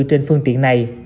trên phương tiện này